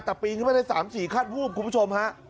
แต่ปีนขึ้นไปได้๓๔ขั้นวูบคุณผู้ชมฮะ